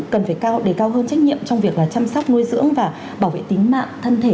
cần phải cao đề cao hơn trách nhiệm trong việc chăm sóc nuôi dưỡng và bảo vệ tính mạng thân thể